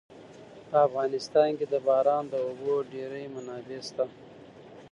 په افغانستان کې د باران د اوبو ډېرې منابع شته.